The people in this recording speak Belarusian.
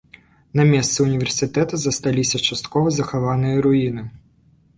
На месцы ўніверсітэта засталіся часткова захаваныя руіны.